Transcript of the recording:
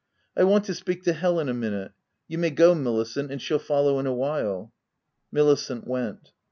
" I want to speak to Helen a minute. You may go Milicent, and she'll follow in a while/' (Milicent went.)